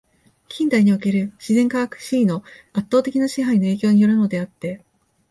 近代における自然科学的思惟の圧倒的な支配の影響に依るものであって、